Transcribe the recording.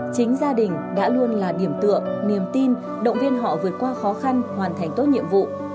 chính gia đình đã luôn là điểm tựa niềm tin động viên họ vượt qua khó khăn hoàn thành tốt nhiệm vụ